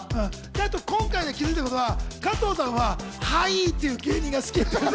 今回、気づいたことは加藤さんは「はい」っていう芸人が好き。